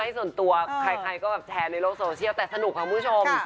ส่วนตัวใครก็แบบแชร์ในโลกโซเชียลแต่สนุกค่ะคุณผู้ชม